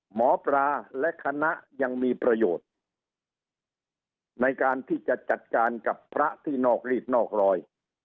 หมอปลาและคณะยังมีประโยชน์ในการที่จะจัดการกับพระที่นอกรีดนอกรอย